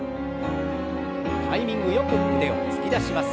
タイミングよく腕を突き出します。